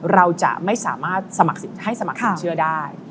เราจะไม่สามารถสมัครให้สมัครสินเชื่อได้